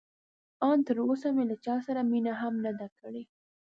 ان تراوسه مې له چا سره مینه هم نه ده کړې.